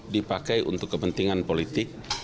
dipakai untuk kepentingan politik